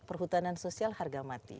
perhutanan sosial harga mati